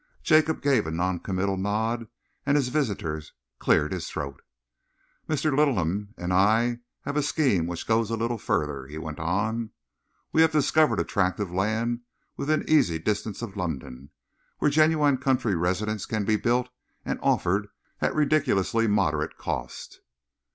Jacob gave a noncommittal nod and his visitor cleared his throat. "Mr. Littleham and I have a scheme which goes a little further," he went on. "We have discovered a tract of land within easy distance of London, where genuine country residences can be built and offered at a ridiculously moderate cost."